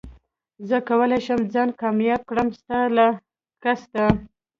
زه کولي شم ځان کامياب کړم ستا له قصده